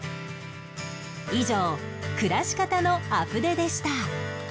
以上暮らし方のアプデでした